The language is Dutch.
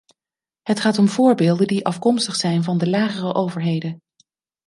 Het gaat om voorbeelden die afkomstig zijn van de lagere overheden.